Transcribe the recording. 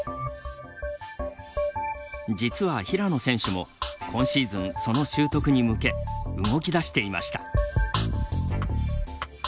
実は、平野選手も今シーズンその習得に向け動き出していました。